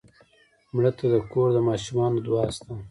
مړه ته د کور د ماشومانو دعا شته